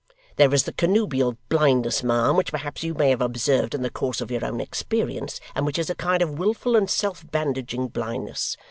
There is the connubial blindness, ma'am, which perhaps you may have observed in the course of your own experience, and which is a kind of wilful and self bandaging blindness.